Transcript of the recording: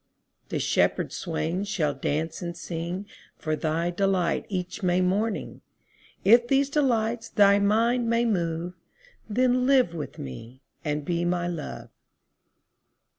20 The shepherd swains shall dance and sing For thy delight each May morning: If these delights thy mind may move, Then live with me and be my Love.